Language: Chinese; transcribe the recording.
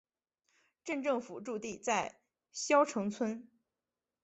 镇政府驻地在筱埕村。